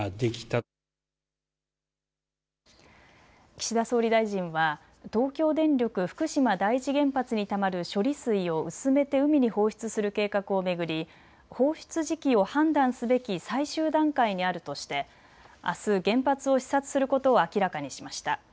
岸田総理大臣は東京電力福島第一原発にたまる処理水を薄めて海に放出する計画を巡り放出時期を判断すべき最終段階にあるとしてあす原発を視察することを明らかにしました。